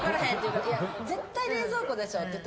絶対冷蔵庫でしょって言って。